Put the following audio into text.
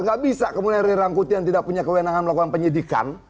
tidak bisa kemudian rirangkuti yang tidak punya kewenangan melakukan penyidikan